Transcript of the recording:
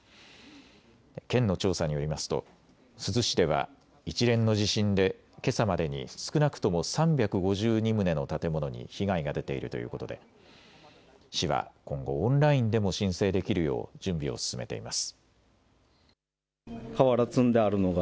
県の調査によりますと珠洲市では一連の地震でけさまでに少なくとも３５２棟の建物に被害が出ているということで市は今後オンラインでも申請できるよう準備を進めています。